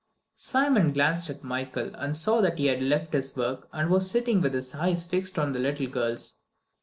Simon glanced at Michael and saw that he had left his work and was sitting with his eyes fixed on the little girls.